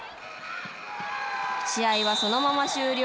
試合はそのまま終了。